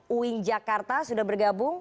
uin jakarta sudah bergabung